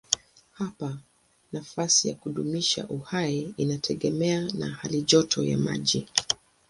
Hapa nafasi ya kudumisha uhai inategemea na halijoto ya maji.